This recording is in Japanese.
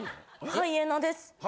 ハイエナです。